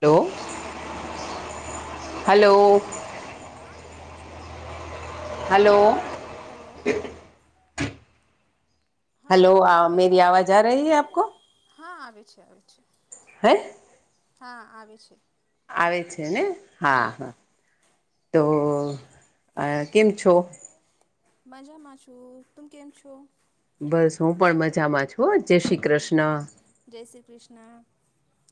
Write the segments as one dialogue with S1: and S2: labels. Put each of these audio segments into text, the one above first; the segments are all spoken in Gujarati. S1: Hello hello.
S2: હા કેમ છો.
S1: હલો.
S2: હલો. હા
S1: હેલો
S2: અવાજ
S1: અ
S2: આવે છે
S1: મેરી આવાજ આ રહી હે આપકો.
S2: હા આવે છે આવે છે.
S1: હે.
S2: હા આવે છે.
S1: આવે છે ને હા હા તો કેમ છો
S2: માજામાં છું તુમ કેમ છો
S1: બસ હું પણ મજામાં છું જય શ્રી કૃષ્ણ
S2: જય શ્રી કૃષ્ણ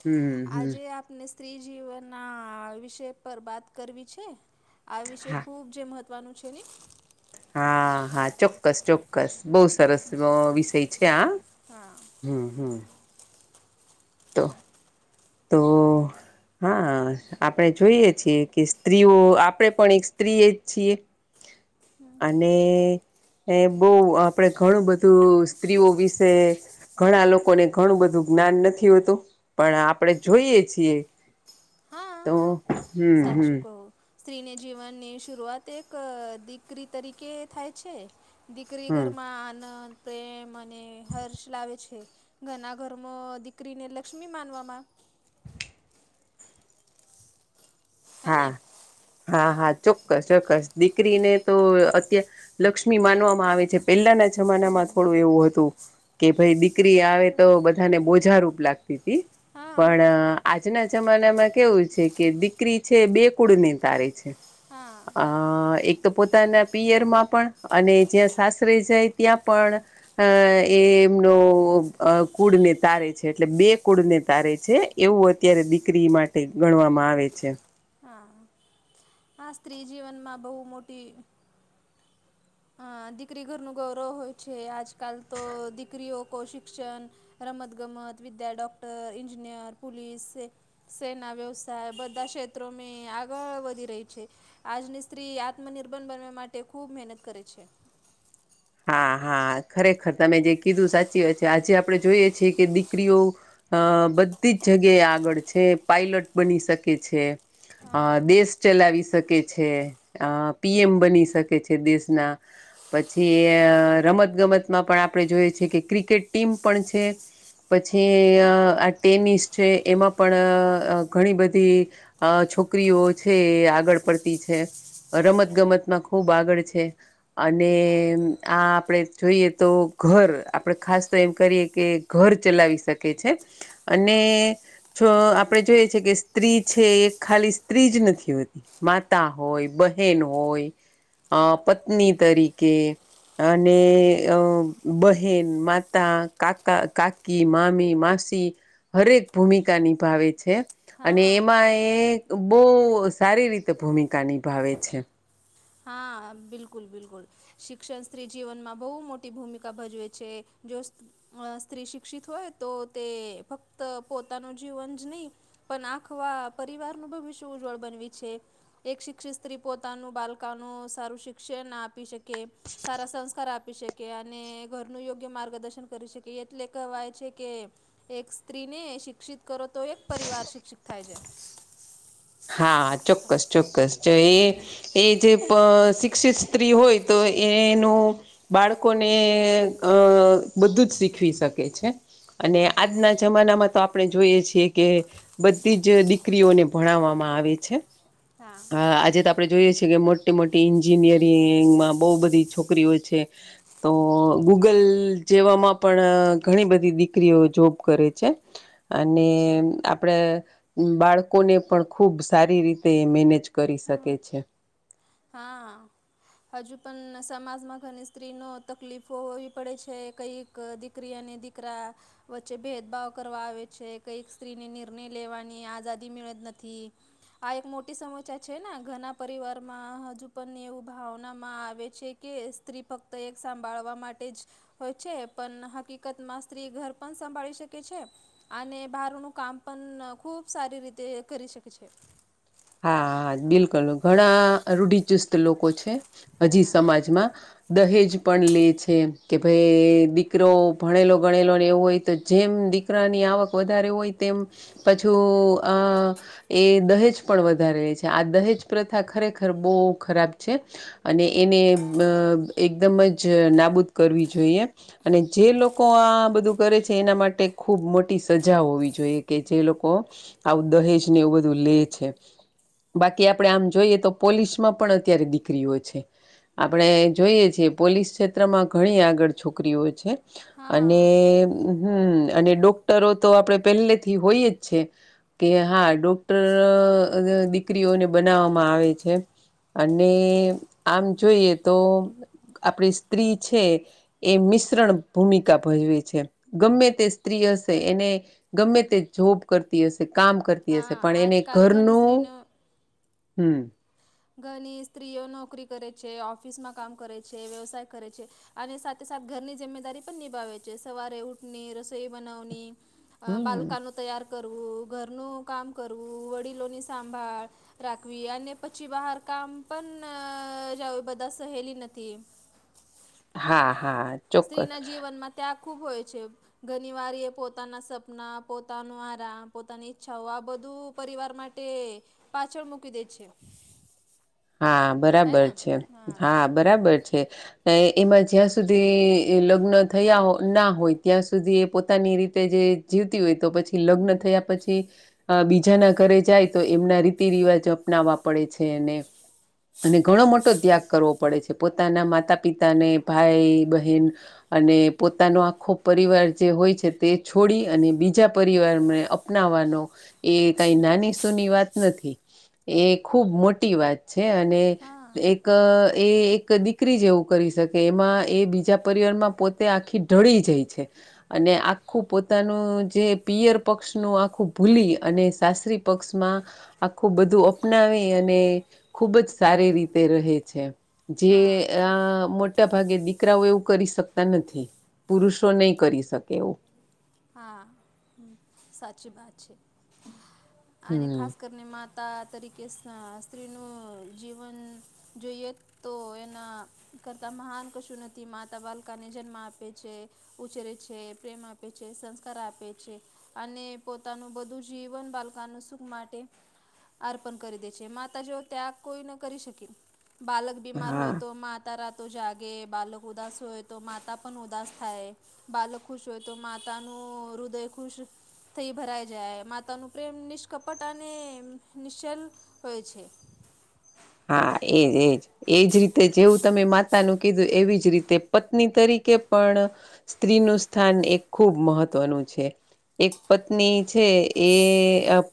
S1: હમ હમ
S2: આજે આપને સ્ત્રીજીવનના વિષય પર વાત કરવી છે આ વિષ
S1: હા
S2: ખૂબ જે મહ ત્વાનું છે.
S1: હા હા ચોક્કસ ચોક્કસ બહુ સરસ નો વિષય છે આ
S2: હા.
S1: હમ હમ તો. તો હા. આપણે જોઈએ છીએ કે સ્ત્રીઓ આપણેે પણ એક સ્ત્રીએ જ છીએ. અને. એ બહુ આપડે ઘણું બધું સ્ત્રીઓ વિશે. ઘણા લોકોને ઘણું બધું જ્ઞાન નથી હોતું પણ. આપણે જોઈએ છીએ. તો. હમ
S2: સાચુ
S1: હમ
S2: ક‌ઉ. સ્ત્રીને જીવનની શરૂઆત એક દીકરી તરીકે થાય છે. દીકરી
S1: હમ
S2: ઘરમાં આનંદ પ્રેમ અને હર્ષ લાવે છે ઘના ઘરમાં દીકરીને લક્ષ્મી માનવામાં. હે ને
S1: હા હા હા ચોક્કસ ચોક્કસ દીકરીને તો અત. લક્ષ્મી માનવામાં આવે છે પેલાના જમાનામાં થોડું એવું હતું કે ભાઈ દીકરી આવે તો બધાને બોજા રૂપ લાગતી હતીી.
S2: હા
S1: પણ આજના જમાનામાં કેવું છે કે. દીકરી છે બે કુડ ને તારે છે.
S2: હા
S1: અ એક તો પોતાના પિયરમાં પણ અને જ્યાં સાસરે જાય ત્યાં પણ અ એ એમનો કુળને તારે છે એટલે બે કુળને તારે છે. એવું અત્યારે દીકરી માટે ગણવામાં આવે છે.
S2: હા આ સ્ત્રી જીવનમાં બહુ મોટી હ દીકરી ઘરનુંું ગૌરવ હોય છે આજકાલ તો દીકરીઓ કૌશિક. શિક્ષણ રમત ગમત વિદ્યા ડોક્ટર ન્જિનિયર પોલીસ સેના વ્યવસાય બધા ક્ષેત્રો મે આગળ વધી રહી છે. આજની સ્ત્રી આત્મનિર્ભર બનવા માટે ખૂબ મહેનત કરે છે.
S1: હા હા ખરેખર તમે જે કીધું સાચી વાત છે આજે આપડણે જોઈએ છીએ કે દીકરીઓ અ બધી જ જગ્યાએ આગળ છે, પાયલટ બની શકે છે. અ
S2: હા
S1: દેશ ચલાવી શકે છે. અ પીએમ બની શકે છે દેશના જે રમત ગમતમાં પણ આપણે જોઈએ છેએ કે ક્રિકેટ ટીમ પણ છે. પછી આ ટેનિસ છે એમાં પણ ઘણી બધી અ છોકરીઓ છે આગળ પડતી છે. રમત ગમતમાં ખુબ આગળ છે અને એમ આ આપણે જોઈએ તો ઘર આપણે ખાસ તો એમ કરીએ કે ઘર ચલાવી શકે છે. અને
S2: હા
S1: જો આપણેે જોઈએ છે કે સ્ત્રી છે એ ખાલી સ્ત્રી જ નથી હોતી માતા હોય બહેન હોય અ
S2: હા
S1: પત્ની તરીકે. અને અ બહેન માતા કાકા કાકી મામી માસી હરેક ભૂમિકા નિભાવે છે. અને
S2: હા
S1: એમાં એ બો સારી રીતે ભૂમિકા નિભાવે છે
S2: હા બિલકુલ બિલકુલ શિક્ષણ સ્ત્રી જીવનમાં બહુ મોટી ભૂમિકા ભજવે છે અ સ્ત્રી શિક્ષિત હોય તો તે ફક્ત પોતાનું જીવન જ નહી પણ આંખવા પરિવારનું ભવિષ્ય ઉજ્જવળ બનવી છે એક શિક્ષિત સ્ત્રી પોતાનું બાલ નું સારું શિક્ષણ આપી શકે સારા સંસ્કાર આપી શકે કે અને ઘરનું યોગ્ય માર્ગદર્શન કરી શકે એટલે કહેવાય છે કે એક સ્ત્રીને શિક્ષિત કરો તો એક પરિવાર શિક્ષિત થાય છે
S1: હા ચોક્કસ ચોક્કસ જો એ એ જે પ શિક્ષિત સ્ત્રી હોય તો એ એનું બાળકોને અ બધું જ શીખવી શકે છે અને
S2: હા
S1: આજના જમાનામાં તો આપણે જોઈએ છીએ કે બધી જ દીકરીઓને ભણાવામાં માં આવે છે હા આજે તો આપણે જોઈએ છીએ કે મોટી મોટી ન્જિનિયરિંગંગમાં બહુ બધી છોકરીઓ છે તો ગૂગલ જેવામાં પણ ઘણી બધી દીકરીઓ જોબ કરે છે અને આપડે બાળકોને પણ ખૂબ સારી રીતે એ મેનેજ કરી
S2: હા
S1: શકે છે
S2: હા હજુ પણ સમાજમાં ઘણી સ્ત્રી નો તકલીફો હોવી પડે છે કઈ ક દીકરી અને દીકરા વચ્ચે ભેદભાવ કરવા આવે છે કઈક સ્ત્રીને નિર્ણય લેવાની આઝાદી મેળત નથી આ એક મોટી સમસ્યા છે ને ઘણા પરિવાર માં હજુ પણ એવું ભાવનામાં આવે છે કે સ્ત્રી ફક્ત એક સાંભળવા માટે જ હોય છે પણ હકીકતમાં સ્ત્રી ઘર પણ સંભાળી શકે છે અને બહારનું કામ પણ ખૂબ સારી રીતે કરી શકે છે
S1: હા બિલકુલ ઘણા રૂઢિચુસ્ત લોકો છે હજી
S2: હા.
S1: સમાજમાં દહેજ પણ લે છે કે ભાઈ દીકરો ભણેલો ગણેલો ને એવું હોય તો જેમ દી કરાની આવક વધારે હોય તેમ પછું આ એ દહેજ પણ વધારે રહી છે આ દહેજ પ્રથા ખરેખર બહુ ખરાબ છે. અને એને અ એકદમ જ નાબૂદ કરવી જોઈએ. અને જે લોકો આ બધું કરે છે એના માટે ખૂબ મોટી સજા હોવી જોઈએ કે જે લોકો. આવું દહેજ ને એવું બધું લે છે. બાકી આપડણે આમ જોઈએ તો પોલીસમાં પણ અત્યારે દીકરીઓ છે. આપણે જોઈએ છીએ પોલીસ ક્ષેત્રમાં ઘણી આગળ છોકરીઓ છે. અને
S2: હા.
S1: હમ અને ડોક્ટરો તો આપડે પહેલેથી હોય જ છે. કે હા ડોક્ટર દીકરીઓને બનાવવામાં આવે છે. અને આમ જોઈએ તો આપડી સ્ત્રી છે. એ મિશ્રણ ભૂમિકા ભજવે છે ગમે તે સ્ત્રી હશે એને. ગમે તે જોબ કરતી હશે કામ કરતી હશે
S2: હા
S1: પણ એને
S2: આજકાલ
S1: ઘર
S2: ઘણી સ્ત્રીનો
S1: હમ
S2: ઘણી સ્ત્રીઓ નોકરી કરે છે ઓફિસમાં કામ કરે છે વ્યવસાય કરે છે. અને સાથે સાથે ઘરની જિમ્મેદારી પણ નિભાવે છે સવારે ઉઠની રસોઈ બનાવની અ
S1: હમ
S2: બાલકનું તૈયાર ઘરનું કામ કરવું વડીલોની સાંભળ રાખવી અને પછી ચી બહાર કામ પણ જ બધા સહેલી નથી
S1: હા હા ચોક્કસ
S2: સ્ત્રીના જીવનમાં ત્યાં ખુબ હોય છે ઘણી વાર એ પોતાના સપના પોતાનું આરામ પોતાની ઈચ્છાઓ આ બધું પરિવાર માટે તે પાછળ મૂકી દે છે
S1: હા બરાબર છે હા બરાબર છે અ એમાં જ્યાં સુધી લગ્ન થયા ના હોય ત્યાં સુધી એ પોતાની રીતે જે જીવતી હોય તો પછી લગ્ન
S2: હમ
S1: થયા પછી બીજાના ઘરે જાય તો એમના રીતિ રિવાજ અપનાવવા પડે છે અને અને ઘણો મોટો ત્યાગ કરવો પડે છે પોતાના માતા પિતાને ભાઈ બહેન અને પોતાનો આખો પરિવાર જે હોય છે તે છોડી અને બીજા પરિવારને અપનાવાનો એ કઈ નાની સુૂની વાત નથી એ ખૂબ મોટી વાત છે અને
S2: હા
S1: એક એ એક દીકરી જેવું કરી શકે એમાં એ બીજા પરિવારમાં પોતે તે આખી ડળી જાય છે અને આખું પોતાનું જે પિયર પક્ષનુંું આખું ભૂલી અને સાસરી પક્ષમાં આખું બધું અપનાવે અને ખુબ જ સારી રીતે રહે છે જે
S2: હા
S1: આ મો મોટા ભાગે દીકરાઓ એવું કરી શકતા નથી પુરુષો નહી કરી શકે એવું
S2: હા સાચી વાત છે અને ખાસ
S1: હમ
S2: કરને માતા તરીકે સ્ત્રીનું જીવન જોઈએ તો એના કરતાં મહાન કશું નથી માતા બાલકાને જન્મ આપે છે ઉ્રે છે પ્રેમ આપે છે સંસ્કાર આપે છે અને પોતાનું બધું જીવન બાળકા ન સુખ માટે અર્પણ કરી દે છે માતા જેઓ ત્યા કોઈ ન કરી શકી બાલક બીમાર
S1: હા
S2: હોય તો માત તાર તો જાગે બાલક ઉદાસ હોય તો માતા પણ ઉદાસ થાય બાલક ખુશ હોય તો મા તનુંું રુદય ખુશ થઈ ભરાઈ જાય માતા નો પ્રેમ નિષ્કપટ અને નિશ્ચલ હોય છે
S1: હા એજ એજ એજ રીતે જેવું તમે માતાનું કીધું એવી જ રીતે પત્ની તરીકે પણ સ્ત્રીનું સ્થાન એ ખૂબ મહત્વનું છે એક પત્ની છે એ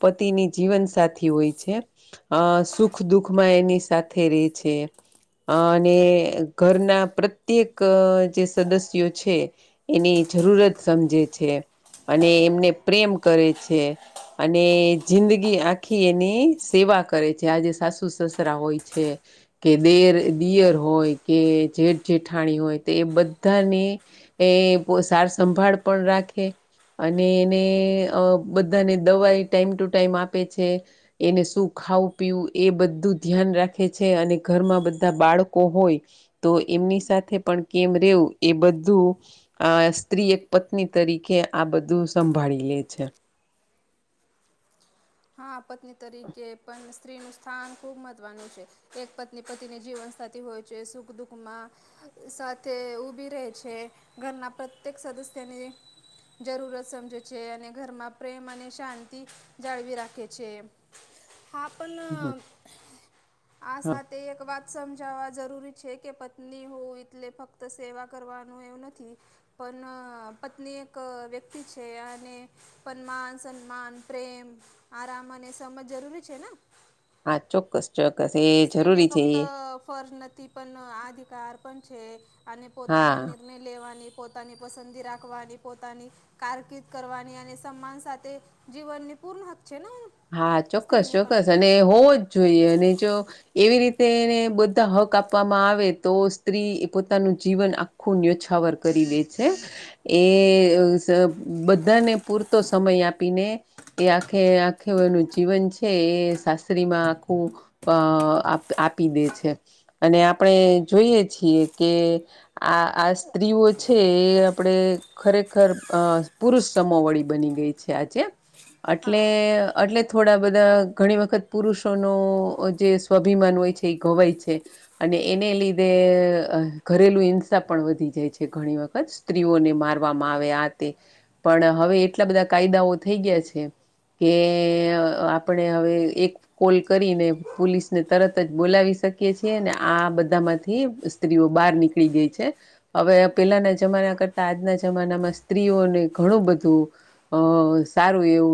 S1: પતિની જીવનસાથી હોય છે અ સુખ દુઃખમાં એની સાથે રે છે અ અને ઘરના પ્રત્યેક જે સદસ્યો છે એની જરૂરત સમજે છે અને એમને પ્રેમ કરે છે અને જિંદગી આખી એની સેવા કરે છે આજે સાસુ સુસસરા હોય છે કે દેર દિયર હોય કે જેઠ જેઠાણી હોય તો એ બધાને એ સાર સંંભાળ પણ રાખે અને એને બધાને દવાઈ ટાઈમ ટુ ટાઈમ આપે છે એને શું ખાવું પીવું એ બ બધું ધ્યાન રાખે છે અને ઘરમાં બધા બાળકો હોય તો એમની સાથે પણ કેમ રવું એ બધું આ સ્ત્રી એક પત્ની તરીકે આ બધું સંભાળી લે છે
S2: હા પત્ની તરીકે પણ સ્ત્રીનું સ્થાન ખૂબ મહત્વનું છે એક પત્ની પતિની જીવન સાથી હોય છે સુખ દુઃખમાં સાથે ઉભી રહે છે ઘરના પ્રત્યેક સદસ્યની જરૂરત સમજે છે અને ઘરમાં પ્રેમ અને શાંતિ જાળવી રાખે કે જે હા પણ
S1: [inaudible]
S2: આ
S1: હા
S2: સાથે એક વાત સમજાવવા જરૂરી છે કે પત્ની હોવ એટલે ફ ફકત સેવા કરવાનું એવું નથી પણ પત્ની એક વ્યક્તિ છે અને સમાન સન્માન પ્રેમ આરામ અને એ સમજ જરૂરી છે ને
S1: હા ચોક્કસ ચોક્કસ એ
S2: સ્ત્રીને
S1: જરૂરી છે
S2: ફક્ત
S1: એ
S2: ફર નથી પણ આધિકાર પણ છે અને
S1: હા
S2: પોતાના લેવાની પોતાની પસંદગી રાખવાની પોતાની કારકિર્દ કરવાની અને સન્માન સાથે જીવનની પૂર્ણ હક છે ને
S1: હા ચોક્કસ
S2: સ્ત્રીને પણ
S1: ચોક્કસ અને હોવો જ જોઈએ અને જો એવી રીતે એને બધા હક આપવામાં આવે તો સ્ત્રી ઈ પોતાનું જીવન આ ખુ ન્યોછાવર કરી દે છે
S2: હા
S1: એ અ સ બધાને પૂરતો સમય આપીને એ આખે આખ આખે ન જીવન છે એ શાસ્ત્રીમાં આખું અ આપી દે છે અને આપણે જોઈએ છીએ કે આ આ સ્ત્રીઓ છે એ આપણે ખરેખર અ પુરુષ સમો વળી બની ગઈ છે આજે એટલે એટલે થોડા બધા ઘણી વખત પુરુષોનો જે સ્વાભિમાન હોય છે એ ઘવાય છે અને એને લીધે ઘરેલુ હિંસા પણ વધી જાય છે ઘણી વખત સ્ત્રીઓને મારવામાં આવે આ તે પણ હવે એટલા બધા કાયદાઓ થઈ ગયા છે કે એ આપણે હવે એક કોલ કરીને પોલીસને તરત જ બોલાવી શકીએ છીએ ને આ બધા માંથી સ્ત્રીઓ બહાર નીકળી ગઈ છે હવે પેલાના જમાના કરતા આજના જમાનામાં સ્ત્રીઓને ઘણું બધું અ સારું એવું